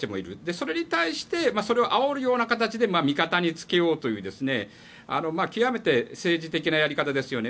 それに対してそれをあおるような形で味方につけようという極めて政治的なやり方ですよね。